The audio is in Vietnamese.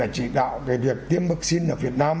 chỉ đạo về việc tiêm vaccine ở việt nam